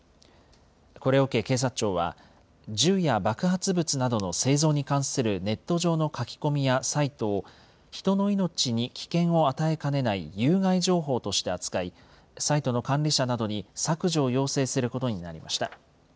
これを受け警察庁は、銃や爆発物などの製造に関するネット上の書き込みやサイトを、人の命に危険を与えかねない有害情報として扱い、サイトの管理者などに削除を要請することになりました。